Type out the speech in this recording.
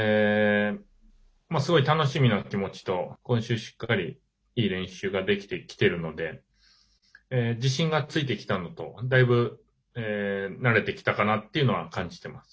すごい楽しみな気持ちと今週しっかりいい練習ができてきてるので自信がついてきたのとだいぶ慣れてきたかなというのは感じてます。